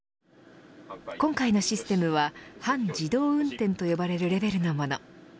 今回のシステムは半自動運転と呼ばれるレベルのもの。